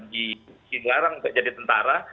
dilarang jadi tentara